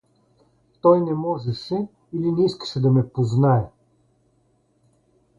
Той не можеше или не искаше да ме познае.